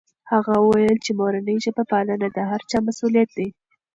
هغه وویل چې د مورنۍ ژبې پالنه د هر چا مسؤلیت دی.